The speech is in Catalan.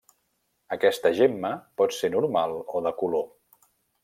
Aquesta gemma pot ser normal o de color.